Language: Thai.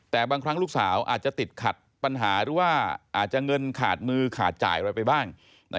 แต่บางครั้งลูกสาวอาจจะติดขัดปัญหาหรือว่าอาจจะเงินขาดมือขาดจ่ายอะไรไปบ้าง